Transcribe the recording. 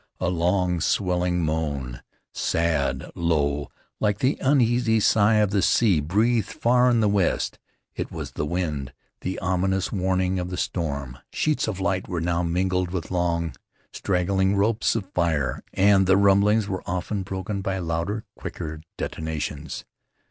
A long swelling moan, sad, low, like the uneasy sigh of the sea, breathed far in the west. It was the wind, the ominous warning of the storm. Sheets of light were now mingled with long, straggling ropes of fire, and the rumblings were often broken by louder, quicker detonations.